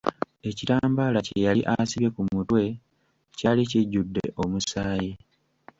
Ekitambaala kye yali asibye ku mutwe kyali kijjudde omusaayi.